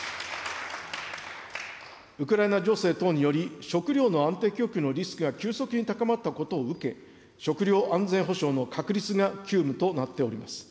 ウクライナ情勢等により、食料の安定供給のリスクが急速に高まったことを受け、食料安全保障の確立が急務となっております。